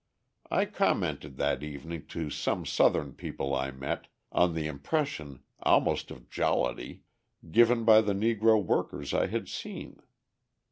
I commented that evening to some Southern people I met, on the impression, almost of jollity, given by the Negro workers I had seen.